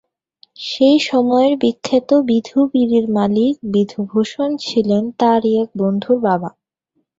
সেই সময়ের বিখ্যাত ‘বিধু’ বিড়ির মালিক বিধুভূষণ ছিলেন তাঁরই এক বন্ধুর বাবা।